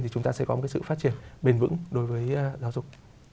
thì chúng ta sẽ có một sự phát triển bền vững đối với giáo dục